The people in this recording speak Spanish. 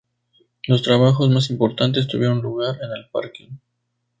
Los trabajos más importantes tuvieron lugar en el parque.